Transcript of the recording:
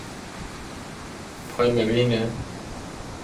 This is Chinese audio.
跑去买冰淇淋